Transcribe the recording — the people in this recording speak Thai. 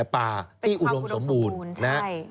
เป็นความอุดมสมบูรณ์